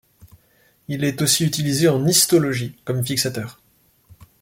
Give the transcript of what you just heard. Il est aussi utilisé en histologie comme fixateur.